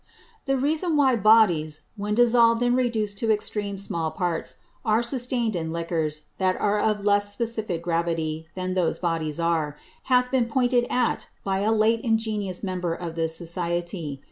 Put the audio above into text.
The Reason why Bodies, when dissolved and reduced to extreme small Parts, are sustain'd in Liquors that are of less specifick Gravity than those Bodies are, hath been pointed at by a late ingenious Member of this Society.